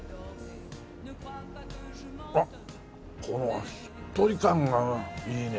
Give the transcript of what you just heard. あっこのしっとり感がいいね。